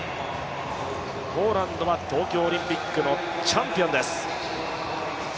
ポーランドは東京オリンピックのチャンピオンです。